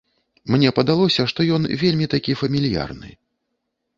Мне падалося, што ён вельмі такі фамільярны.